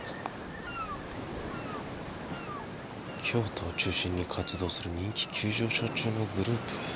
京都を中心に活動する人気急上昇中のグループ？